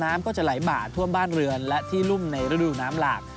น้ำก็จะไหลบ่าท่วมบ้านเรือนและที่รุ่มในฤดูน้ำหลาก